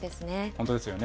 本当ですよね。